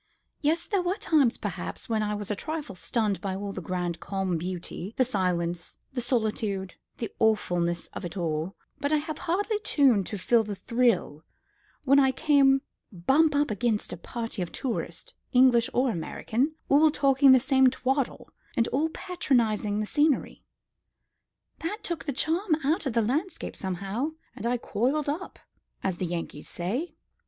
"Yes; there were times, perhaps, when I was a trifle stunned by all that grand calm beauty, the silence, the solitude, the awfulness of it all; but I had hardly time to feel the thrill when I came bump up against a party of tourists, English or American, all talking the same twaddle, and all patronising the scenery. That took the charm out of the landscape somehow, and I coiled up, as the Yankees say.